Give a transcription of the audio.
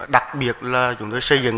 đặc biệt là chúng tôi xây dựng